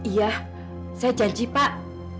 iya saya janji pak